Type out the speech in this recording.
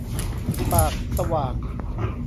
ปากสว่าง